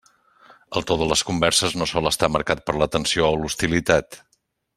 El to de les converses no sol estar marcat per la tensió o l'hostilitat.